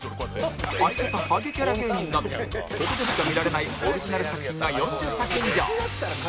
相方ハゲキャラ芸人などここでしか見られないオリジナル作品が４０作以上